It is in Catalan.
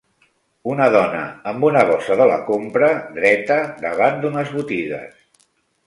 Una dona amb una bossa de la compra dreta davant d'unes botigues